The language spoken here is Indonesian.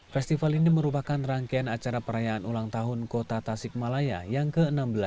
festival ini merupakan rangkaian acara perayaan ulang tahun kota tasik malaya yang ke enam belas